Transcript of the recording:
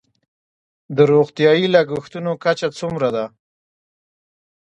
د روغتیايي لګښتونو کچه څومره ده؟